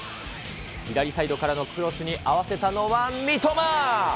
左サイドからのクロスに合わせたのは三笘。